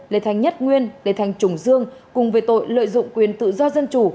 lê thanh nhất nguyên lê thanh trùng dương cùng về tội lợi dụng quyền tự do dân chủ